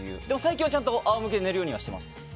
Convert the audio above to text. でも、最近はちゃんと仰向けで寝るようにはしてます。